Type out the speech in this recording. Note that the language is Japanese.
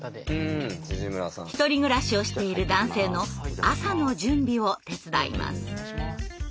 １人暮らしをしている男性の朝の準備を手伝います。